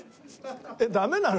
えっダメなの？